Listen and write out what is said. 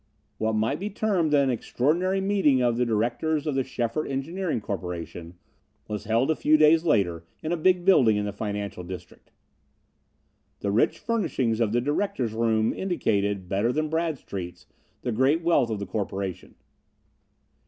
What might be termed an extraordinary meeting of the directors of the Schefert Engineering Corporation, was held a few days later in a big building in the financial district. The rich furnishings of the directors' room indicated, better than Bradstreet's, the great wealth of the corporation.